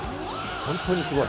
本当にすごい。